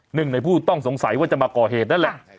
หนึ่งในผู้ต้องสงสัยว่าจะมาก่อเหตุนั่นแหละ